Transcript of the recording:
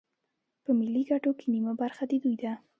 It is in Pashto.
په ملي ګټو کې نیمه برخه د دوی ده